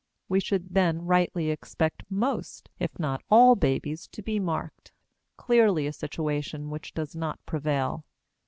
We should then rightly expect most, if not all, babies to be "marked" clearly a situation which does not prevail.